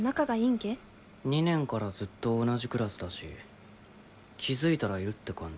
２年からずっと同じクラスだし気付いたらいるって感じ。